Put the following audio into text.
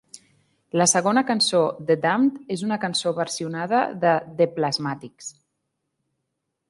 La segona cançó "The Damned" és una cançó versionada de The Plasmatics.